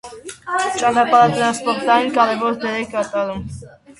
Ճանապարհատրանսպորտային կարևոր դեր է կատարում։